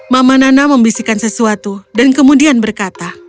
mama nana membisikkan sesuatu dan kemudian berkata